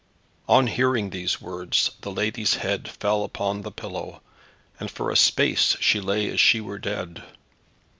On hearing these words the lady's head fell upon the pillow, and for a space she lay as she were dead.